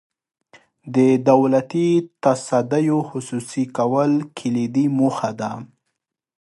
د دولتي تصدیو خصوصي کول کلیدي موخه ده.